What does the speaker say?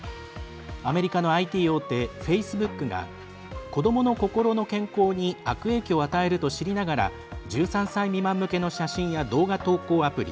アメリカのＩＴ大手フェイスブックが子どもの心の健康に悪影響を与えると知りながら１３歳未満向けの写真や動画投稿アプリ